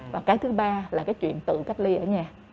và cái thứ ba là cái chuyện tự cách ly ở nhà